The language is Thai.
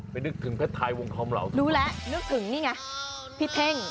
นึกถึงเพชรไทยวงคอมเหล่ารู้แล้วนึกถึงนี่ไงพี่เท่ง